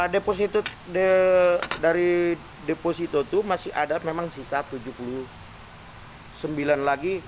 deposito dari deposito itu masih ada memang sisa tujuh puluh sembilan lagi